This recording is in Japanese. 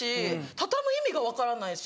畳む意味が分からないし。